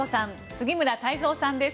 杉村太蔵さんです。